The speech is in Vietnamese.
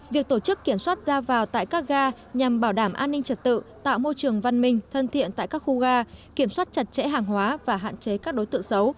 việc tổ chức kiểm soát ra vào tại các ga nhằm bảo đảm an ninh trật tự tạo môi trường văn minh thân thiện tại các khu ga kiểm soát chặt chẽ hàng hóa và hạn chế các đối tượng xấu